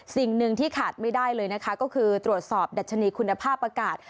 สิ่งหนึ่งที่ขาดไม่ได้เลยนะคะก็คือตรวจสอบดัชนีคุณภาพอากาศ